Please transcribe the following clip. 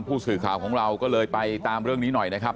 ผู้สื่อข่าวของเราก็เลยไปตามเรื่องนี้หน่อยนะครับ